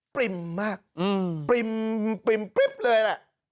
ปริ่มมากปริ่มปริ๊บเลยแหละ